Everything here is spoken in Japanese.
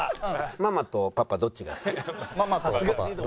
「ママとパパどっちが好き？」。